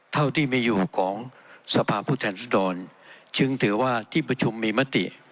เท่าที่มีอยู่ของสภาพผู้แทนสดรจึงถือว่าที่ประชุมมีมติ